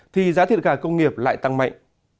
thì giá thịt gà công nghiệp lại tăng mạnh